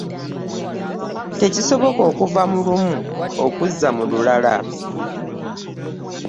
Tekisoboka okuva mu olumu okuzza mu lulala